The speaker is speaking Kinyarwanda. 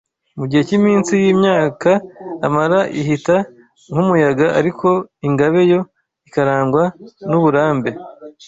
mu gihe cy’iminsi y’imyaka amara ihita nk’umuyaga ariko Ingabe yo ikarangwa n’uburambe